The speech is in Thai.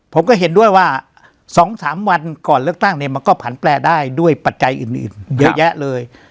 ผมก็เห็นด้วยว่า๒๓วันก่อนเลือกตั้งเนี่ยมันก็ผันแปลได้ด้วยปัจจัยอื่นเยอะแยะเลย